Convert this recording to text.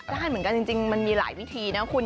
ได้เหมือนกันจริงมันมีหลายวิธีนะคุณ